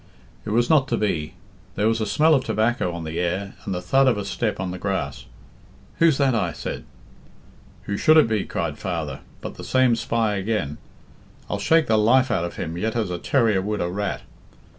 It was not to be. There was a smell of tobacco on the air and the thud of a step on the grass. 'Who's that?' I said. 'Who should it be,' cried father, 'but the same spy again. I'll shake the life out of him yet as a terrier would a rat.